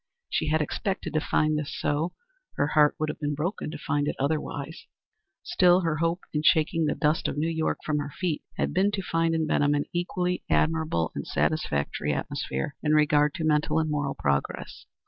She had expected to find this so; her heart would have been broken to find it otherwise. Still, her hope in shaking the dust of New York from her feet had been to find in Benham an equally admirable and satisfactory atmosphere in regard to mental and moral progress.